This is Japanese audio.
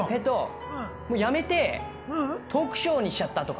やめてトークショーにしちゃったとか。